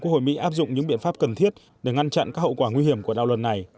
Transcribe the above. quốc hội mỹ áp dụng những biện pháp cần thiết để ngăn chặn các hậu quả nguy hiểm của đạo luật này